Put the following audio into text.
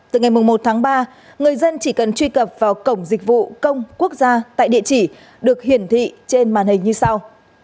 từ ngày một tháng ba người dân chỉ cần truy cập vào cổng dịch vụ công quốc gia tại địa chỉ được hiển thị trên màn hình như sau